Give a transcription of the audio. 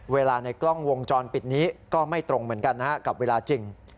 ในกล้องวงจรปิดนี้ก็ไม่ตรงเหมือนกันนะฮะกับเวลาจริง